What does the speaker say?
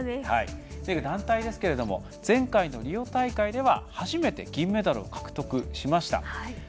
団体ですけども前回のリオ大会で初めて銀メダルを獲得しました。